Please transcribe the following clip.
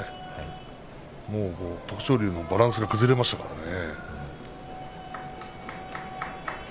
徳勝龍のバランスが崩れましたからね。